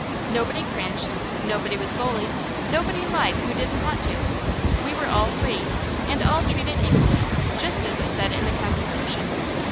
Nobody cringed, nobody was bullied, nobody lied who didn't want to. We were all free, and all treated equally, just as it said in the Constitution!